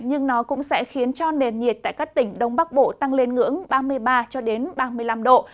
nhưng nó cũng sẽ khiến cho nền nhiệt tại các tỉnh đông bắc bộ tăng lên ngưỡng ba mươi ba ba mươi năm độ